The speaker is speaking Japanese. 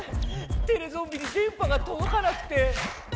テレゾンビに電波がとどかなくて。